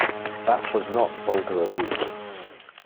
That was not vulgar abuse.